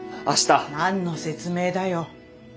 何の説明だよ。